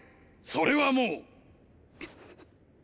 それはもう！